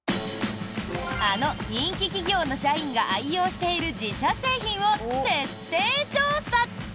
あの人気企業の社員が愛用している自社製品を徹底調査。